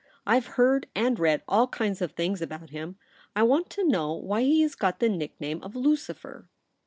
I've heard and read all kinds of things about him. I want to know why he has got the nickname of " Lucifer